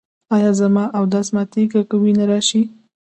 ایا زما اودس ماتیږي که وینه راشي؟